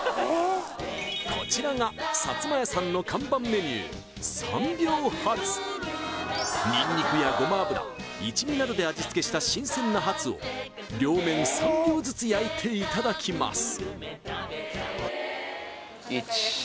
こちらが薩摩屋さんの看板メニューにんにくやごま油一味などで味付けした新鮮なハツを両面３秒ずつ焼いていただきます